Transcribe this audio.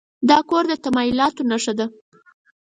دا کور د تمایلاتو نښه ده.